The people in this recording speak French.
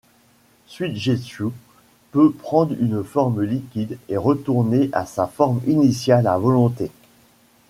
Suigetsu peut prendre une forme liquide et retourner à sa forme initiale à volonté.